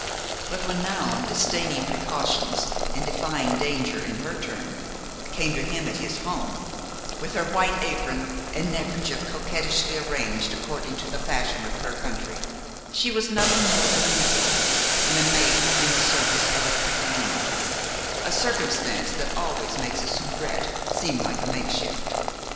But when Noun, disdaining precautions and defying danger in her turn, came to him at his home, with her white apron and neckerchief coquettishly arranged according to the fashion of her country, she was nothing more than a maid and a maid in the service of a pretty woman–a circumstance that always makes a soubrette seem like a makeshift.